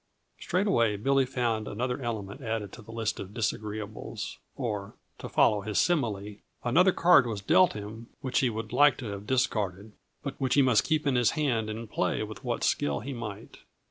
Straightway Billy found another element added to the list of disagreeables or, to follow his simile, another card was dealt him which he would like to have discarded, but which he must keep in his hand and play with what skill he might.